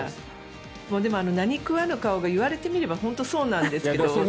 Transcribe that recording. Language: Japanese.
でも何食わぬ顔が言われてみれば本当にそうなんですけど。